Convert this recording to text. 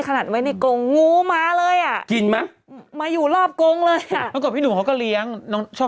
ขนาดวันไว้ตรงนี้ก็อยู่เงียบ